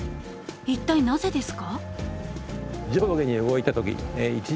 一体なぜですか？